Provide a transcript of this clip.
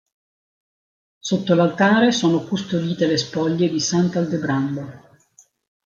Sotto l'altare sono custodite le spoglie di sant'Aldebrando.